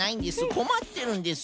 こまってるんです。